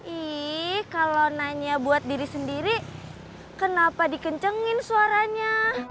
ih kalau nanya buat diri sendiri kenapa dikencengin suaranya